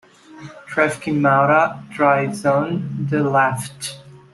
Traffic in Malta drives on the left.